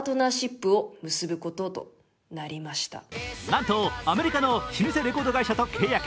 なんとアメリカの老舗レコード会社と契約。